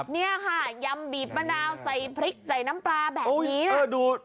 นี่ค่ะยำบีบมะนาวใส่พริกใส่น้ำปลาแบบนี้